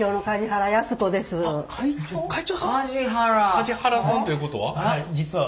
梶原さんということは。